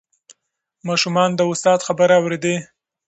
ماشومان د استاد خبرې اورېدې.